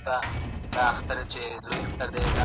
خو بیا هم د ډاکټر مشوره اړینه ده.